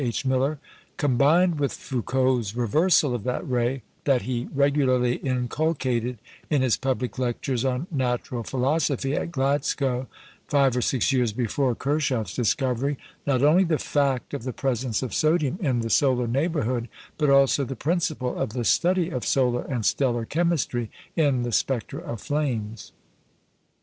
H. Miller), combined with Foucault's "reversal" of that ray, that he regularly inculcated, in his public lectures on natural philosophy at Glasgow, five or six years before Kirchhoff's discovery, not only the fact of the presence of sodium in the solar neighbourhood, but also the principle of the study of solar and stellar chemistry in the spectra of flames.